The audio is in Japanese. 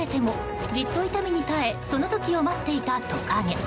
踏み潰され、つつかれてもじっと痛みに耐えその時を待っていたトカゲ。